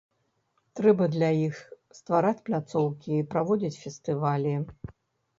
Трэба для іх ствараць пляцоўкі, праводзіць фестывалі.